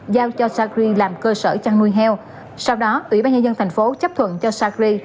giao cho sacri làm cơ sở chăn nuôi heo sau đó ủy ban nhân dân tp hcm chấp thuận cho sacri